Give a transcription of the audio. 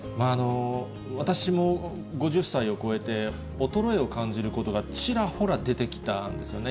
私も５０歳を超えて、衰えを感じることがちらほら出てきたんですよね。